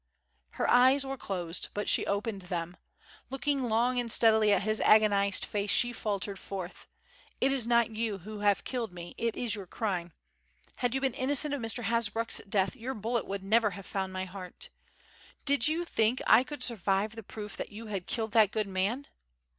Her eyes were closed but she opened them. Looking long and steadily at his agonized face, she faltered forth: "It is not you who have killed me; it is your crime. Had you been innocent of Mr. Hasbrouck's death your bullet would never have found my heart. Did you think I could survive the proof that you had killed that good man?"